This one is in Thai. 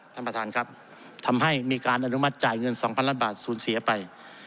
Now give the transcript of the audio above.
ท่านประธานครับทำให้มีการอนุมัติจ่ายเงิน๒๐๐ล้านบาทสูญเสียไป